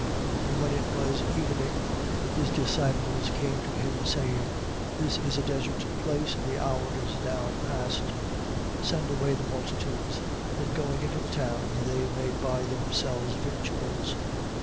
14:15. And when it was evening, his disciples came to him, saying: This is a desert place, and the hour is now passed: send away the multitudes, that going into the towns, they may buy themselves victuals.